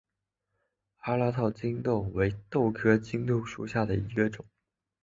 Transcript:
阿拉套棘豆为豆科棘豆属下的一个种。